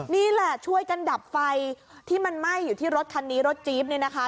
นี่แหละช่วยกันดับไฟที่มันไหม้อยู่ที่รถคันนี้รถจี๊บเนี่ยนะคะ